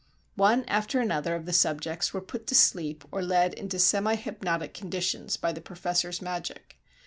One after another of the "subjects" were "put to sleep" or led into semi hypnotic conditions by the professor's magic.